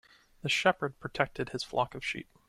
The shepherd protected his flock of sheep.